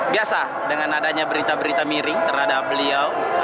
biasa dengan adanya berita berita miring terhadap beliau